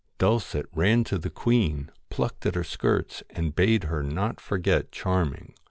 Dulcet ran to the queen, plucked at her skirts, and bade her not forget Charming.